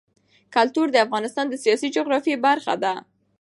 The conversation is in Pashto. کلتور د افغانستان د سیاسي جغرافیه برخه ده.